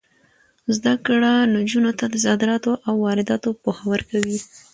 زده کړه نجونو ته د صادراتو او وارداتو پوهه ورکوي.